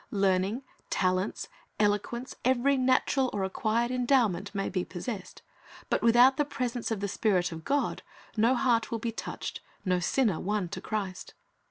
Learning, talents, eloquence, eveiy natural or acquired endowment, may be possessed; but without the presence of the Spirit of God, no heart will be touched, no sinner be won to Christ.